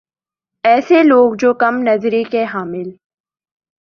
ایسے لوگ جو کم نظری کے حامل